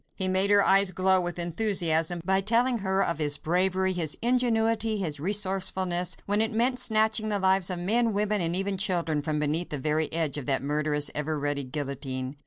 He made her eyes glow with enthusiasm by telling her of his bravery, his ingenuity, his resourcefulness, when it meant snatching the lives of men, women, and even children from beneath the very edge of that murderous, ever ready guillotine.